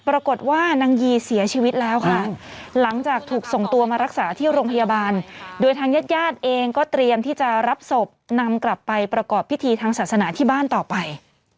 ปรากฏว่านางยีเสียชีวิตแล้วค่ะหลังจากถูกส่งตัวมารักษาที่โรงพยาบาลโดยทางญาติญาติเองก็เตรียมที่จะรับศพนำกลับไปประกอบพิธีทางศาสนาที่บ้านต่อไป